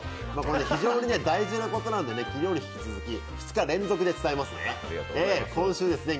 非常に大事なことなんで昨日に引き続き２日連続で伝えますね。